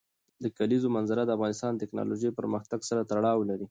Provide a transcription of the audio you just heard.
د کلیزو منظره د افغانستان د تکنالوژۍ پرمختګ سره تړاو لري.